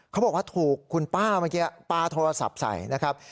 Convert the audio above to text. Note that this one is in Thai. เขาบอกว่าถูกคุณป้าเมื่อกี้ปลาโทรศัพท์ใส่นะครับ